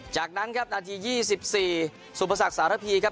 จากนั้นครับนาทียี่สิบสี่สุภาษาสารพีครับ